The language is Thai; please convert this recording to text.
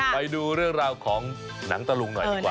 ไปดูเรื่องราวของหนังตะลุงหน่อยดีกว่า